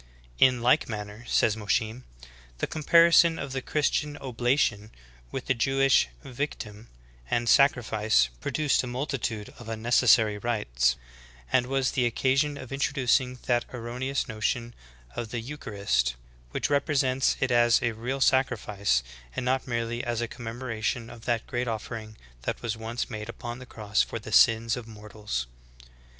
"In like manner," says Mosheim, ''the comparison of the Christian oblation with the Jewish victim and sacrifice, pro duced a multitude of unnecessary rites, and was the oc casion of introducing that erroneous notion of the eucharist, w^hich represents it as a real sacrifice, and not merely as a commemoration of that great offering that was once made upon the cross for the sins of mortals.